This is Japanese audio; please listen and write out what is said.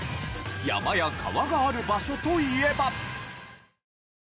山や川がある場所といえば？